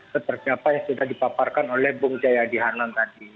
seperti apa yang sudah dipaparkan oleh bung jayadi hanan tadi